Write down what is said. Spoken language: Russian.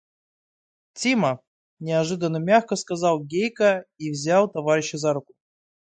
– Тима! – неожиданно мягко сказал Гейка и взял товарища за руку.